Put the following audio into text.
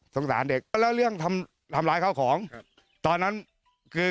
สงสารเด็กแล้วเรื่องทำทำลายข้าวของครับตอนนั้นคือ